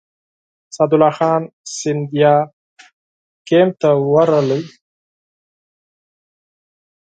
سعدالله خان سیندیا کمپ ته ورغی.